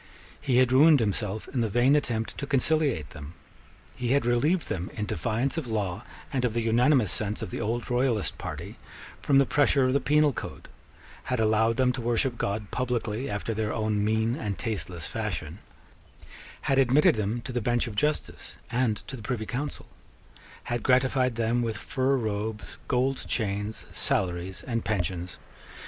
He had ruined himself in the vain attempt to conciliate them. He had relieved them, in defiance of law and of the unanimous sense of the old royalist party, from the pressure of the penal code; had allowed them to worship God publicly after their own mean and tasteless fashion; had admitted them to the bench of justice and to the Privy Council; had gratified them with fur robes, gold chains, salaries, and pensions.